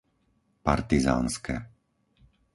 Partizánske